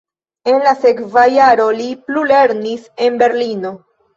En la sekva jaro li plulernis en Berlino.